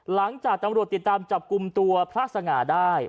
หลังจากตำรวจติดตามจับกลุ่มตัวพระสง่าได้